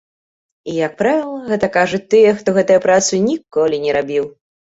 І, як правіла, гэта кажуць тыя, хто гэтую працу ніколі не рабіў.